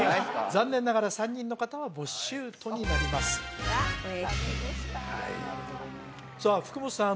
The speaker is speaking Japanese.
残念ながら３人の方はボッシュートになりますさあ福本さん